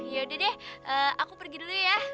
yaudah deh aku pergi dulu ya